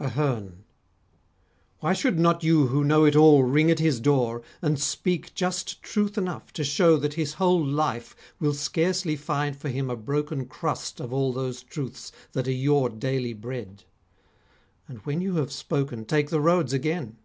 AHERNE Why should not you Who know it all ring at his door, and speak Just truth enough to show that his whole life Will scarcely find for him a broken crust Of all those truths that are your daily bread; And when you have spoken take the roads again?